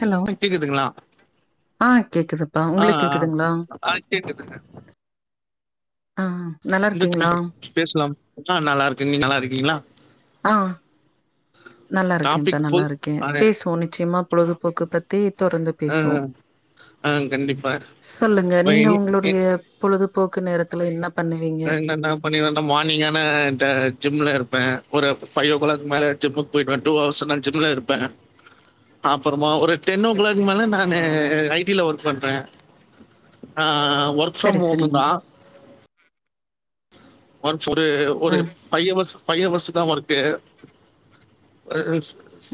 Hello ம கேக்குதுங்களா ஆ கேக்குதுப்பா ஆ உங்களுக்கு ஆ கேக்குதுங்களா ஆ கேக்குதுங்க ஆ நல்லா இந்த இருக்கீங்களா டாபிக் பத்தி பேசலாம் ஆ நல்லா இருக்கே நீங்க நல்லா இருக்கீங்களா ஆ நல்லா இருக்கேன்ப்பா டாபிக் நல்லா போல் இருக்கேன் அது பேஸ்வோம் நிச்சியமா பொழுதுபோக்கு பத்தி தொறந்து ஆ பேசுவோம் ஆ கண்டிப்பா சொல்லுங்க இப்ப நீங்க இனி ஒங்களுடைய பொழுது போக்கு நேரத்துல்ல என்னா நா என்னென்ன பண்ணினேன்னா மார்னிங்கானா த ஜிம்ல இருப்பேன் ஒரு ஃபைவ் ஓ கிளாக் மேல ஜிம்முக்கு போயிட்டு வண்டு ஒரு சில டைம்ல ஜிம்ல இருப்பேன் அப்புறமா ஒரு டென் ஓ கிளாக் மேல நானு ரை கீல்ல ஒர்க் பண்றேன் ஆ ஒர்க் ஃப்ரம் சரி ஹோம் சரிங்க தா ஒன்ஸ் ஒரு ஒரு ம் ஃபைவ் ஹவர்ஸ் ஃபைவ் ஹவர்ஸ் தான் ஒர்க்கே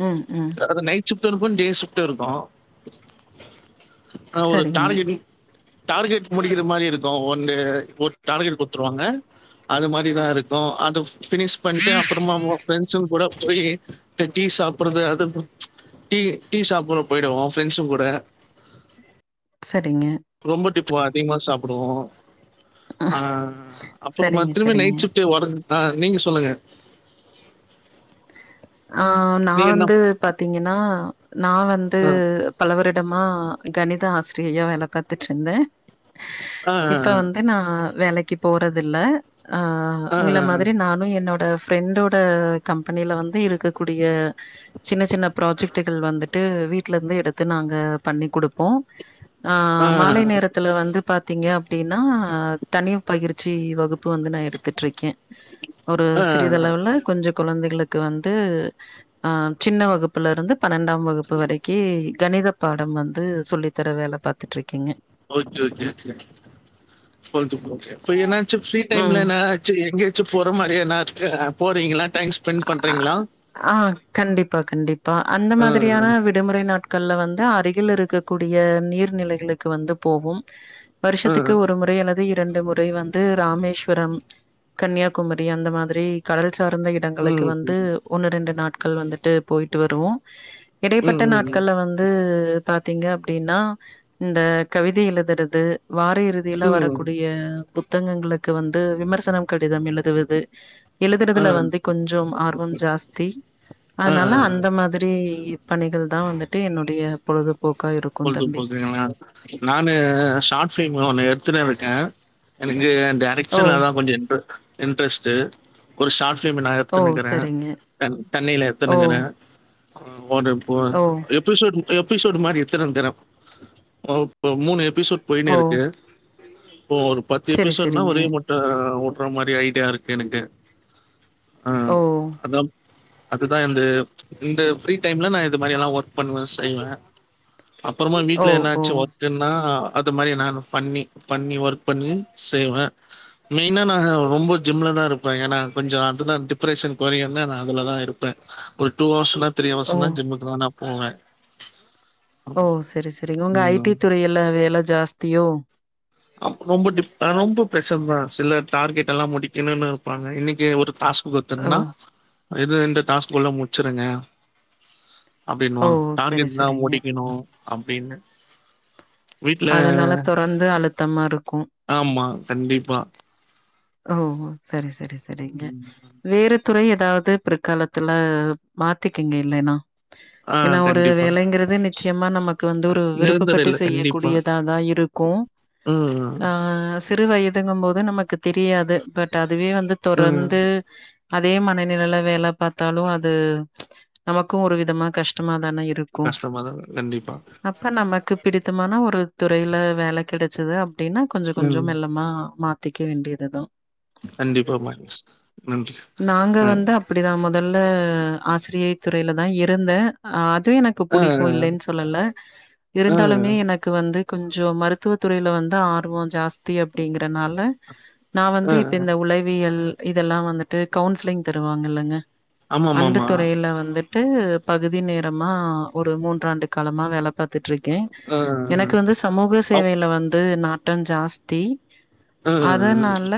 ம் ம் அது நைட் ஷிஃப்டும் இருக்கும் டே ஷிஃப்டும் இருக்கும் ஆ ஒரு சரிங்க டார்கெட் டார்கெட் முடிக்கிற மாரி இருக்கும் ஒன்டே ஒரு டார்கெட் ருவாங்க அது மாதிரிதான் இருக்கும் அது பினிஷ் பண்ணிட்டு அப்புறமா ஃப்ரெண்ட்ஸுங்க கூட போய் டீ சாப்பிடறது அது டீ டீ சாப்புடுறோம் போயிடுவோம் ஃப்ரெண்ட்ஸுங்க கூட சரிங்க இப்ப அதிகமா சாப்பிடுவோம் ஆஹ் அப்புறமா சரிங்க திரும்ப சரிங்க நைட் ஷிஃப்டே வரு ஆஹ் நீங்க சொல்லுங்க ஆஹ் நான் நீங்க என்ன வந்து பாத்தீங்கன்னா நான் வந்து ஆ பலவரு டமா கணித ஆசிரியையா வேலை பாத்துட்டு இருந்தேன் ஆ இப்ப வந்து நான் வேலைக்கு போறதில்ல ஆஹ் ஆ ஆ உங்களை ஆ மாதிரி நானும் என்னோட ஃப்ரெண்டோட கம்பெனில வந்து து இருக்கக்கூடிய சின்னச் சின்ன ப்ராஜெக்டுகள் வந்துட் து வீட்லந்து எடுத்து நாங்க பண்ணி குடுப்போம் ஆ மாலை நேரத்துல வந்து பாத்தீங்க அப் டீன்னா தனியுப் பயிற்சி வகுப்பு வந்து நா எடுத்துட்ருக்கேன் ஒரு சிறிதளவுல கொஞ்சப் குழந்தைகளுக் க்கு வந்து ஹ சின்ன வகுப்புல இருந்து பன்னெண்டாம் வகுப்பு வரைக்கி கணித பாடம் வந்து சொல்லித்தர வேல பாத்துட்டிருக்கீங்க ஓக்கே க்கே [unintelligible] என்னச்சி ஃப்ரி ம் டைம்லனாச்சி எங்க ச்சு போற மாரியன்னாக்கு போறீங்கிளா அஅஅ ஆஹ் கண்டிப்பா கண்டிப்பா அந்த ஆ, மாதிரியான விடுமுறை நாட்கள்ல வந்து அருகில் இருக்கு கூடிய நீர்நிலைகளுக்கு வந்து போகு ஆ, வருஷத்துக்கு ஒரு முறை என்னது இ டெண்டு முறை வந்து ராமேஸ்வரம் கன்னியகுமரி அந்த மாதுரி கடல் சார்ந்த டங்களுக்கு ம், வந்து ஒன்னு ரெண்டு நாட் கள் வந்துட்டு போய்ட்டு வருவோ ம், இடைபட்ட ம், நாட்கள்ல வந்து பாத்தீங்க அப்டினா இந்த கவித எழுதுறது வார இறுதியில ம், வரக்குடிய ஃபுக் தங்கங்ளுக்கு வந்து விமர்சனம் கடிதம் எழுதுவது ஆ, எழுதுறதுல வந்துக் ஞம் ஆர்வம் ஜாஸ்தி ஆ, அந்னால அந்த மாதுரி இப் பணிகள் தா வந்துட் இ என்னுடிய பொழுதுப் போல்டுபோல் [unintelligible] நானு ஷாட் பிலிம் ஒன்னு எத் துன இருக்க எனுக்கு ஓ! டேரக்ஷன்லல்லான் கொஞ்ச ன்ரு இன்ட்ரஸ்ட்டு ஒரு ஷார்ட்ப் ப்ளிம் நா ஓ! எத்துன்னுகுற சரிங்க. தண் தண்ணியில ஓ! எத்துன்னுகுற போடப் போர ஓ! எப்பிசோட்டு எப்பிசோடு மாரி இருக் துனுக்குற போ மூணு எப் பிசோட் போயினு ஓ! இருக்கு போ ஒரு பத்து சரி, எபிசோட்னா சரிங்க. ஒரே முட்ட றோ மாரி ஐடியா இருக்கு எனக்கு அ ஓ! அதா அதுதா எந்து இந்த ஃரீ டைம்ல நா இது மாரி எத்னா ஒர்க் பண்ணுவ செய்வ அப்பறமா ஓ! வீட்ல ஓ! என்னாச்சு ஒர்குன்னா அது மாரி நா பண்ணி பண்ணி ஒர்க் பண்ணி செய்வ மெய்னா நா ரொம்ப ஜிம்ல தான் இருப்பே ஏன்னா கொஞ்சோ அதுதா டிப்ரெஷன் கொறையும்னு நா அதுல தா இருப்பே ஒரு டூ ஹவர்ஸ் திரி ஓ! அவர்ஸ்னா ஜம்முக்கு தா நா போவ ஒ செரி செரி உங்க ஐ டி துறையில வேல ஜாஸ்தியோ அப் ரொம்ப டிப் ரொம்ப பிரஷர் தான் சில டார்கெட் எல்லாம் முடிக்கணும்னு இருப்பாங்க இன்னைக்கு ஒரு டாஸ்க்கு ஓ! புத்துன்னா எது இந்த டாஸ்ஃபுல்லா முடிச்சிருங்க ஓ! அப்படின்னுவா சரி, டார்கெட் தான் சரிங்க. முடி அப்படின்னு அதனால தொறந்து அழுத்தமா இருக்கு ஆமா கண்டிப்பா ஓ ஓ சேரி சேரி சேரிங்க ம். வேற துறை ஏதாவது பிற்காலத்துல மாத்திக்கீங்க இல்லைன்னா ஆ ஏன்னா ஒரு கண்டிப்பா வேலைங்கிறது நிச்சயமா நமக்கு வந்து ஒரு விருப்ப நிரந்தர பட்டு இல்ல செய்ய கண்டிப்பா கூடியதா தான் இருக்கும் ம் ஹ சிறு வயதுங்கும் போது இது நமக்கு தெரியாது பட் அது அதுவே வந்து ம் தொறந்து அதே மனநிலையில வேல பார்த்தாலும் அது நமக்கு ஒரு விதமா கஷ்டமா தானே இருக்கும் கஷ்டமாதா கண்டிப்பா அப்ப நமக்கு பிடித் ஆனா ஒரு துறையில வேலை கிடைச்சது அப்படின்னா கொஞ்சோ கொஞ்சோ ம் மெல்லமா மாத்தி துக்கு வேண்டியதுதான் கண்டிப்பா மகேஷ் நன்றி நாங்க அ வந்து அப்படிதான் முதல்ல ஆசிரியை துறையில தான் இருந்தேன் ஆத் து எனக்கு அ புடிக்கும் இல்லைன்னு சொல்லலே அ இருந்தாலுமே வந்து கொஞ்சோம் மருத்துவ துறையில வந்து ஆர்வம் ஜாஸ்தி அப்படிங்கறனாலே நான் அ வந்து இப்ப இந்த உளவியல் இதெல்லாம் வந்துட்டு கவுன்சிலிங் தருவாங்கல்லங்க அந்த ஆமாமாமா துறையில வந்து பகுதி நேரமா ஒரு மூன்றாண்டு காலமா வேல பாத்து பாத்துட்டுருக்கேன் அ எனக்கு வந்து சமூக அ சேவையில வந்து நா ஜாஸ்தி அ அதனால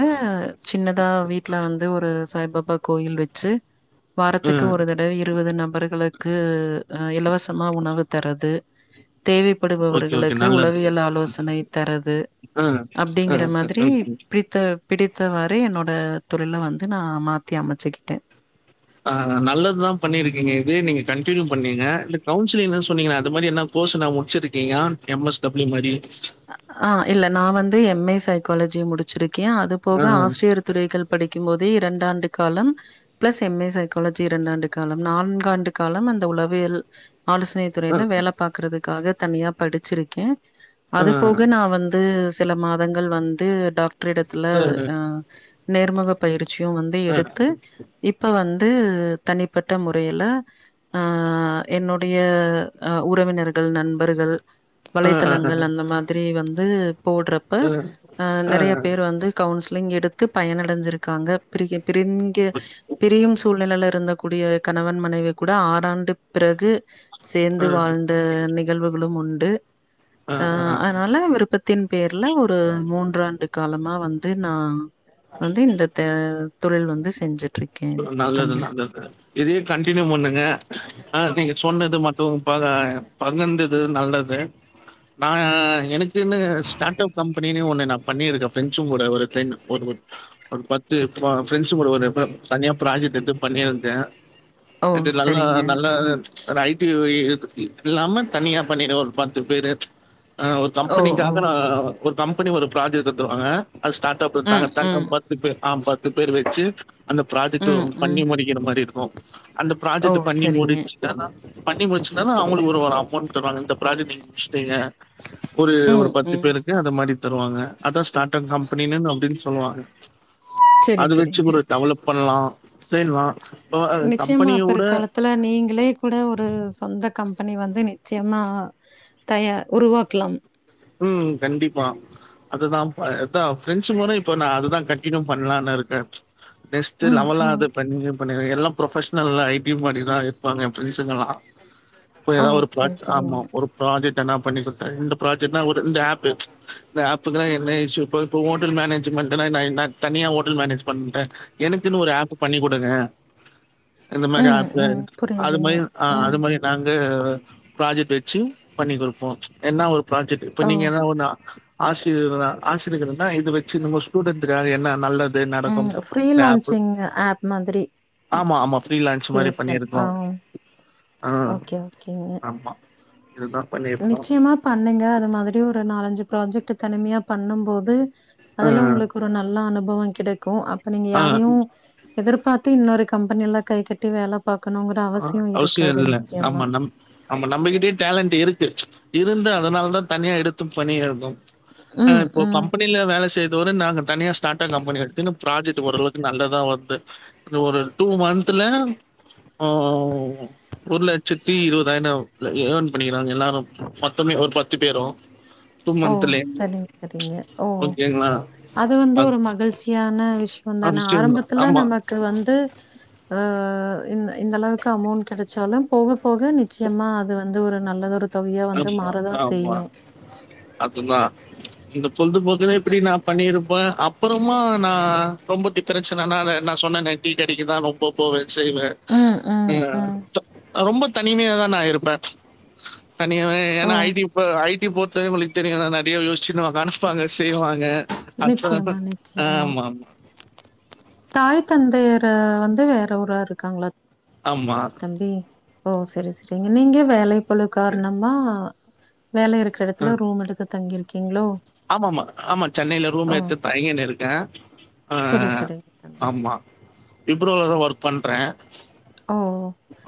சின்னதா வீட்ல வந்து ஒரு சாய்பாபா அப்ப கோயில் வச்சு அ வாரத்துக்கு ஒரு தடவ இருபது நம்ப் அவர்களுக்கு இலவசமா உணவு தரது தேவைப்படுபவர் ஓகே ஓகே க்கு நல்லது உளவியல் ஆலோசனை தரது அ அப்டிங்கிற மாதிரி அ பித்த பிடித்தவாறே என்னோட தொழில வந்து நா மாத்தி அமைச்சுக்கிட்டே ஆ நல்லதுதா பண்ணிருக்கீங்க இதே நீங்க கண்டினியூ பண்ணீங்க இல்ல கவுன்சிலிங்ன்னு சொன்னீங்கலே அது மாரி என்ன கோர்ஸ் என்ன முடிச்சிருக்கீங்க எம் எஸ் டபிள்யு மாதரி ஆ இல்ல நா வந்து எம் ஏ சைக்காலஜி முடிச்சிருக் க்கே அது போக ஆ, ஆசிரியர் துறைகள் படிக்கும்போது இரண்டாண்டு காலம் பிளஸ் எம் ஏ சைக்காலஜி இரண்டாண்டு காலம் நான்காண்டு காலம் அந்த உளவியல் ஆலோசனை ஆ, துறையில வேல பாக்கறதுக்காக தனியா படிச்சிருக்கே ஆ, ஆ, அது போக நா வந்து சில மாதங்கள் வந்து டாக் ட்ர் எடத்துல ஆ நேர்முக பயிற் சியூ வந்து ஆ, எடுத்து இப்ப வந் து தனிப்பட்ட முறையில ஆ என்னுடைய உறவினர்கள் நண்பர்கள் ஆ, ஆ, ஆ, வலைத்தளங்கள் ஆ, அந் த மாத்ரி வந்து போடுறப்ப அ ஆ, ஆ, நெறைய பேர் வந்து கவுன்ஸ் லிங் எடுத்து பயனடைஞ்சிருக்காங்க ப்ரிகெப் ப்ரிங்க பிரியும் சூழ்நெலைல இருந்த கூடிய கணவன் மனைவி கூட ஆறாண்டுப் பிறகு சேர்ந்து வாழ்ந்த நிகழ்வுகளும் உண் டு ஆ அ ஆ த்தின் பேர்ல ஒரு மூன்றாண்டு காலமா வந்து நா வந்து செஞ்சுட்ருக்கேன் நல்லது தம்பி. நல்லது இதே கண்டினியூ பண்ணுங்க ஆ நீங்க சொன்னது மட்டூ பகா பகிர்ந்துது நல்லது நா எனக்குன்னு ஸ்டாட் அப் கம்பெனினே ஒன்னு நா பண்ணிருக்கே ஃபரென்சூங் கூட ஒரு டைம் ஒர் ஒர் ஒரு பத்து பா ஃப்ரெண்ட்ஸுங்கூட ஒரு ப தனியா ப்ராஜெக்ட் எடுத்து பண்ணிருந்தே ஓ! அது நல்லா சரிங்க. நல்ல ஒரு ஐ டி யு இதுக் இல்லாம தனியா பண்ணிரு ஒரு பத்து பேரு ஆ ஒரு ஓ! ஓ! கம்பெனிக்காக நா ஒரு கம்பெனி ஒரு ப்ராஜெக்ட் தந்துருவாங்க அது ஸ்டார்டப் ம், ம், பேனப்பன் பு ஆ பத்து பேர் வச்சு அந்த ப்ராஜெக்ட் ம், ம். பண்ணி முடிக்கிற மாரி இருக்கூ அந்த ஓ! ப்ராஜெக்ட் பண்ணி சரிங்க. முடிச்சாதா பண்ணி முடிச்சுர்ந்தாலூ அவங்களுக்கு ஒரு வாரோ ஆவூ ஃபோன் தருவாங்க இந்த ப்ராஜெக்ட் நீங் முடிச்ட்டீங்க ஒரு ஒரு ம், பத்து ம். பேருக்கு அந்த மாரி தருவாங்க அதா ஸ்டார்ட் அப் கம்பெனின்னு அப்டின் சொல்லுவாங்க சரி, அது வெச்சு சரிங்க. கூட டெவலப் பண்லா செய்லா நிச்சயமா பிற்காலத்துல நீங்களே கூட ஒரு சொந்த கம்பெனி வந்து நிச்சயமா தயார் உருவாக்லாம் ம் கண்டிப்பா அததா ப அதா பிரெஞ்சு மூல இப்ப நா அதுதா கண்டினியூ பண்லான் இருக்கே நெக்ஸ்ட் ம், லெவலா ம். அத பண்ணி எல்லா ப்ரொஃபஷனல் ஐ டி மாரிதா இருப்பாங்க எ ஃப்ரெண்ட்ஸ்ங்கலா இப்ப ஓ! எதோ ஒரு சரி, ப்ராஜ் ஆமா சரிங்க. ஒரு ப்ராஜக்ட் எதனா பண்ணி குடுத்துரு இந்த ப்ராஜ் தின்னா ஒரு இந்த ஆப்பு இந்த ஆப்புக்கலா என்ன இஸ்யூ ப்ப இப்ப ஹோட்டல் மேனேஜ்மென்ட்னா நா என்ன தனியா ஹோட்டல் மேனேஜ் பண்ற எனக்குனு ஒரு ஆப் பண்ணி கு டுங்க இந்த மாரி ம், ஆப்பு ம். அது புரியுதுங்க. மாரி ஆ ம். அது மாரி நாங் து ப்ராஜெக்ட் வச்சு பண்ணி குடுப்போ என்ன ஒரு ப்ராஜக்ட் இப்ப ஓ! நீங்க எத ஒண்ணா ஆஸ்ரியர்களா ஆசிரியர்களந்தா இது வெச்சி நம்ம ஸ்டூடெண்ட்டுக்காக என்னா நல்ல ம் ஃப்ரீ லான்சிங்க ஆப் மாத்ரி ஆமா ஆமா ஃப்ரீலான்ஸ் மாரி கேட்டன் பண்ணிருக்கோ ஆ ஆ ஓகே ஓகேங்க ஆமா இதுதா பண்ணிருக்கோ நிச்சயமா பண்ணுங்க அத மாதிரி ஒரு நாலஞ்சு ப்ராஜெக்ட்டு தனிமையா பண்ணம் போது அதல்லா உங்களுக்கு ஒரு நல்ல அனு பவொ கிடைக் கு அப்ப நீங்க ஆ ஆ யாரையு எதிர்பாத்து இன்னொரு கம்ப்பனி எல்லா கை கட்டி வேலப் அ அவ்சியொ இல்ல ஆமா நம் ஆமா நம்மகிட்டயு டேலண்ட்டு இரு க்கு இருந்து அதனாலதா தனியா எடுத்து பண்ணிர்றத் மேம் ஆ ம், இப்போ ம். கம்பனில வேல செ இது வர நாங்க தனியா ஸ்டாட்டா கம்ப்பனி எடுத்துன்னு ப்ராஜெக்ட்டு ஓரளக்கு நல்லாதா வர்து இந்த ஒரு டூ மன்த்துல ஆ ஒரு லட்சத்தி இருவதாயிர்னா ஏன் பண்ணிக்கிறாங்க எல்லாரு மொத்தமே ஒரு பத்து பேரு ஓ சரிங்க சரிங்க ஓ ஓகேங்களா. அது வந்து ஒரு மகிழ்ச்சியான விஷ்யொந்தான அவசியம் தான். ஆரம்பத்துல ஆமா, நமக்கு வந்து ஆ இந்த இந்தளவுக்கு அமௌண்ட் கெடச்சாலும் போக போக நிச்சயமா அது வந்து ஒரு நல்லதொரு தொகையா வந்து மாறதான் செய்யும் அப்டிங்களா சொல்லும் போதே இப்டி நான் பண்ணி அப்ப அப்புறமா நான் ரொம்ப திக்கிரச்சனனா நான் சொன்னேன டீ கடைக்குதான் ரொம்ப போவே செய்வேன் ம், ம், ம். ஆ ரொம்ப தனிமையா தான் நான் இருப்பேன் தனியாவே ஏன்னா ஓ! ஐடி ப்ப ஐடி போட்டு நிறையா யோசிச்சுனு உட்கா ப்பாங்க செய்வாங்க அப்பரமா நிச்சயமா, நிச்சயமா. ஆமா ஆமா தாய் தந்தையர வந்து வேற ஊரா இருக்காங்களா ஆமா ஆமா தம்பி ஓ சரி சரிங்க நீங்க வேலை ளோ கார்ணமா அ வேலை இருக்கிற இடத்துல அஹ் ரூம் எடுத்து தங்கியிருக்கீங்ளோ ஆமா ஆமா ஆமா சென்னையில ரூம் எட்து தங்கினு இருக்கே ஆ சரி, சரிங்க தம்பி. ஆமா விப்ரோ பண்றேன் ஓ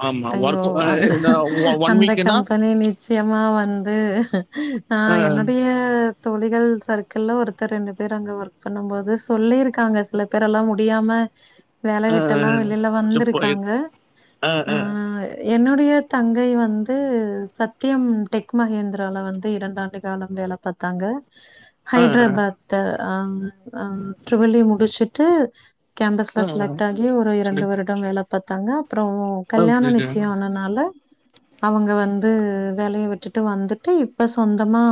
ஆமா ஐயோ அந்த ஒர்க் ஒன் அந்த வீக்னா கம்பெனி நிச்சயமா வந்து ஆஹ் என்னுடைய தோழிகள் சர்க்கிள்ள ஒருத்தர் ரெண்டு பேர் அங்க ஒர்க் பண்ணும் போது சொல்லிருக்காங்க சில பேர்லாம் முடியாம வேல விட்டெல்லாம் வெளில வந்திருக்காங்க ஆஹ் ஆஹ் டய தங்கை வந்து சத்தியம் டெக் மகேந்திரால வந்து இரண்டாண்டு காலம் வேலை பாத்தாங்க ஆ ஆ ஆ ஹைதராபாத் அஹ் ம் ட்ரிபில் யீ முடிச்சுட்டு ஆ கேம்பஸ்ல செலக்ட் ஆகி ஒரு இரண்டு சொல்லுங்க வருடம் வேலை பாத் தங்க அப்புறம் ஓகே கல்யாணம் ஓகே நிச்சயம் ஆனனால அவங்க வந்து வேலைய விட்டுட்டு வந்துட்டு இப்ப சொந்தமா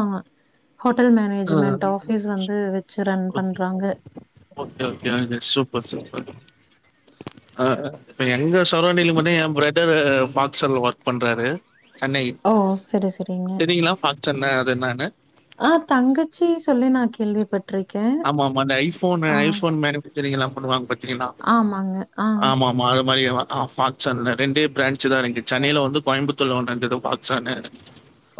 ஹோட்டல் ஆஹ் மேனேஜ்மெண்ட் ஆஃபீஸ் வந்து வச்சு ரன் ஓகே பண்றாங்க. ஓகே சூப்பர் சூப்பர் ஆஹ் [unintelligible] எங்க சரவுண்டிங் வந்து என் பிரதர் பாக்ஸன்ல ஒர்க் பண்றாரு சென்னை ஓ! சரி, சரிங்க. தெரியுங்களா பாக்சன்ன அது என்னன்னு ஆ தங்கச்சி சொல்லி நான் கேள்வி பட்டு ஆமா ஆமா அந்த ஐபோன் ஐபோன் மேனுபாக்சரிங்லா எல்லாம் பண்ணுவாங்க பாத்திங்கலா ஆமாங்க. ஆ. ஆமா ஆமா ஆப் பார்சான்ல இரண்டே பிரான்ச்சு தான் இருக்கு சென்னையில ஒண்ணு கோயம்புத்தூர்ல ஒண்ண இருந்தது ப்பார்சான்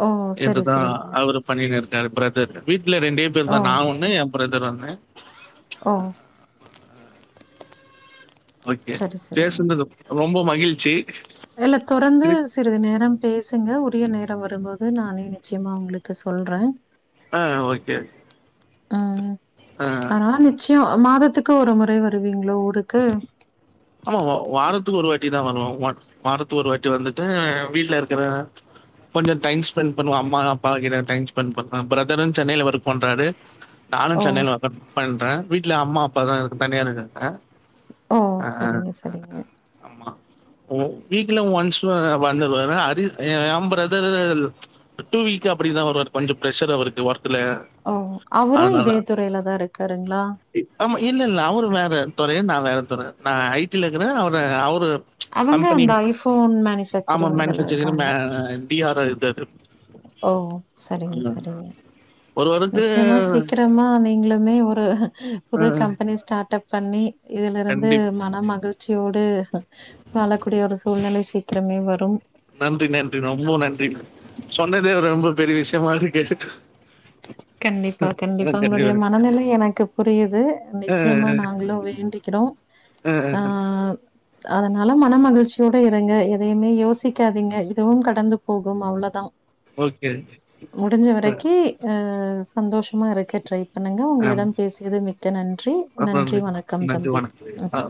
ஓ! சரி, இதுதான் சரிங்க. அவரு பண்ணிணு இருந்தார் பிரதர் ரெண்டே பேர் தான் நான் ஒன்னு பிரதர் ஒன்னு ஒ ஓகே சரி, சரிங்க. பேசுனது ரொம்ப மகிழ்ச்சி இல்ல தொடர்ந்து திருப் சிறிது நேரம் பேசுங்க உரிய நேரம் வரும்போது நானே நெச்சயமா உங்களுக்கு சொல்றே ஆ ஓகே ஆ ஆரம்மிச் மாதத்துக்கு ஒரு முறை வருவீங்களோ ஊருக்கு ஆமா வாரத்துக்கு ஒரு வாட்டி தான் வருவே வாரத்துகாகு ஒரு வாட்டி வந்துட்டு வீட்டுல இருக்கிற கொஞ்சோ டைம் ஸ்பெண்ட் பண்ணுவம் அம்மா அப்பா கிட்ட டைம் ஸ்பெண்ட் பண்ணுவே பிரதரும் சென்னையில ஒர்க் பண்றாரு நானு ஓ! சென்னை ல ஒர்க் பண்றே வீட்ல அம்மா அப்பா தான் இருக்கு தனியா இருக்காங்க ஓ செரிங்க செரிங்க ஓ வீக்ல ஒன்ஸ் வ வந்துருவரு அரி ஏன் பிரதர் டூ வீக் அப்டிதா வருவாரு கொஞ்சோ ப்ரஷ்ஷர் அவருக்கு ஒர்க் லே ஓ! அவரும் அதனால இதே துறையில தான் இருக்காருங்களா? ஆமா இல்ல இல்ல அவரு வேறத் துற நா வேறத் துற நா ஐட்டில க்குறே அவரு அவரு அவங்க கம்பெனி அந்த ஒ ஆமா மேனுஃபேக்சரிங் இதுல மேனிஃபேக்ச்சர் இரு இருக்காங்க. மே அ பி ஆர ஓ செரிங்க செரிங்க ஒருவருக்கு நிச்சயமா சீக்ரமா நீங்களுமே ஒருப் அ புதுக் கம்பெனி ஸ்டார்ட்அப் பன்னி இதுலிருந்து நன்றி. மனமகள் ச்சியோடு வாலக்கூடிய ஒருஸ் சூல்நலை சீக்கிரமே வரும் நன்றி நன்றி ரொம்போ நன்றி சொன்னதே ஒரு ரொம்பப் பெரிவிஷ்ய்மாருக்கே கண்டிப்பா கண்டிப்பா உங்களுடைய நன்றி. மனநில எனக்கு புரியுது அ, நிச்சயமா நாங்களு வேண்டிக்கிறோ அ, அ. ஆஹ் அ னல மன மகிழ்ச்சியோட இருங்க எதயுமே யோசிக்காதீங்க இதுவு கடந்துப் போகு அவ்ளோதா ஓக்கே ஹ் கு அஹ் சந்தோஷமா இருக்க ட்ரை பண்ணுங்க ஆமா. உங்களிடம் பேசியது மிக்க நன்றி அப்புறம் நன்றி வணக்கம் நன்றி தம்பி வணக்கம். ஆ.